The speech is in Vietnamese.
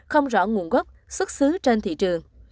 không rõ nguồn gốc xuất xứ trên thị trường